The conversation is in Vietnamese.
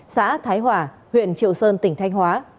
xã thái hòa huyện triều sơn tỉnh thanh hóa